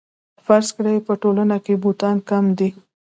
فرض کړئ په ټولنه کې بوټان کم دي